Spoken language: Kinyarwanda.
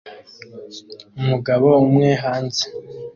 Umugabo umwe hanze